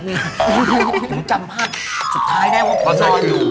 ผมจำภาพสุดท้ายได้ว่าผมนอนอยู่